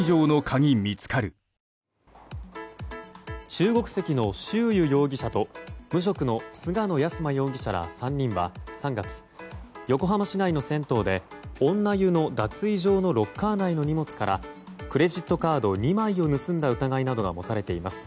中国籍のシュウ・ユ容疑者と無職の菅野安真容疑者ら３人は３月横浜市内の銭湯で女湯の脱衣場のロッカー内の荷物からクレジットカード２枚を盗んだ疑いなどが持たれています。